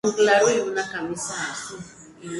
El single de presentación fue el tema "La Felicidad".